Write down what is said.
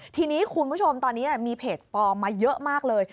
ทีนี้คุณผู้ชมตอนนี้มีเพจปลอมมาเยอะมากเลย